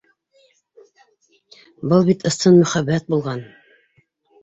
Был бит ысын мөхәббәт булған!